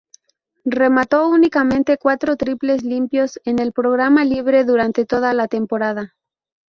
Remató únicamente cuatro triples limpios en el programa libre durante toda la temporada.